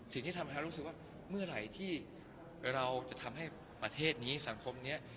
สิ่งที่ทำให้รู้สึกว่าเมื่อไหร่ที่เราจะทำให้ประเทศนี้สังคมนี้